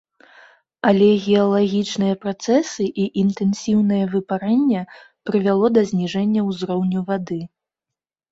Але геалагічныя працэсы і інтэнсіўнае выпарэнне прывяло да зніжэння ўзроўню вады.